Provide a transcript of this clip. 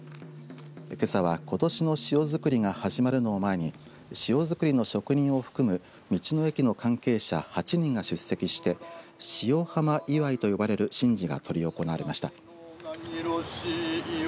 けさは、ことしの塩作りが始まるのを前に塩作りの職人を含む道の駅の関係者８人が出席して塩浜祝と呼ばれる神事が執り行われました。